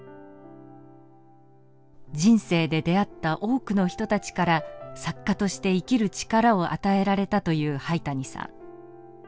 人生で出会った多くの人たちから作家として生きる力を与えられたと言う灰谷さん。